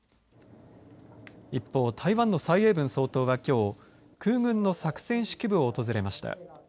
一方、台湾の蔡英文総統はきょう空軍の作戦指揮部を訪れました。